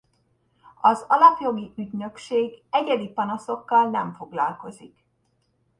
Az Alapjogi Ügynökség egyedi panaszokkal nem foglalkozik.